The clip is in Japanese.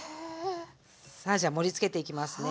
さあじゃあ盛りつけていきますね。